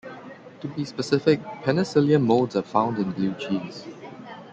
To be specific, "Penicillium" molds are found in Blue cheese.